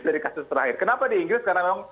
dari kasus terakhir kenapa di inggris karena memang